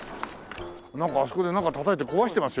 なんかあそこでなんかたたいて壊してますよ。